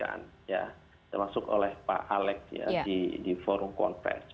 saya kira kemarin sudah dijelaskan ya termasuk oleh pak alex ya di forum konfes